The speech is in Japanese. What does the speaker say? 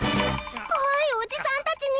怖いおじさんたちに。